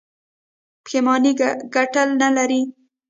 پښیماني ګټه نلري.